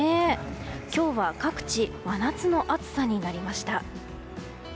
今日は各地、真夏の暑さになりました。